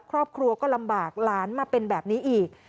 ครอบครัวก็ลำบากหลานมาเป็นแบบนี้อีก